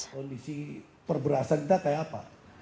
kondisi perberasan kita kayak apa